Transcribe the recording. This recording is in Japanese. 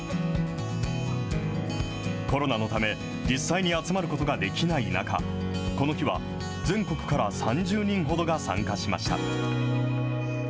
コロナのため、実際に集まることができない中、この日は、全国から３０人ほどが参加しました。